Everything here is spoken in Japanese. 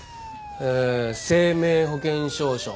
え生命保険証書。